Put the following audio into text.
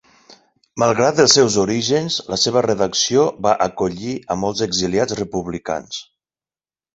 Malgrat els seus orígens, la seva redacció va acollir a molts exiliats republicans.